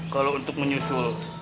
kalo untuk menyusul